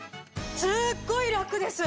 すっごい楽です！